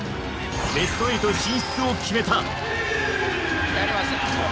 ベスト８進出を決めた！